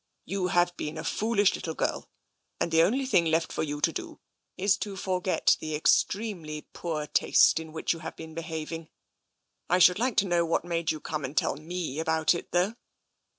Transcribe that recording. " You have been a foolish little girl, and the only thing left for you to do is to forget the ex tremely poor taste in which you have been behaving. I should like to know what made you come and tell me about it, though."